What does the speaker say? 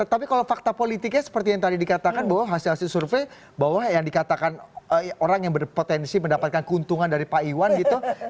tapi kalau fakta politiknya seperti yang tadi dikatakan bahwa hasil hasil survei bahwa yang dikatakan orang yang berpotensi mendapatkan keuntungan dari pak iwan gitu